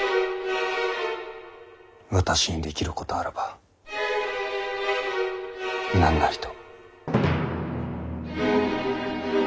私にできることあらばなんなりと。